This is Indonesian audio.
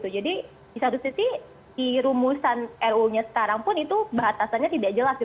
jadi di satu sisi di rumusan ruu nya sekarang pun itu batasannya tidak jelas